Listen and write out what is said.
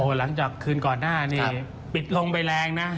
หลังจากคืนก่อนหน้านี้ปิดลงไปแรงนะ